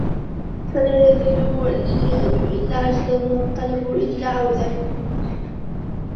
فَلَا يَزِيدُهُ الِاجْتِهَادُ إلَّا عَجْزًا وَالطَّلَبُ إلَّا عَوَزًا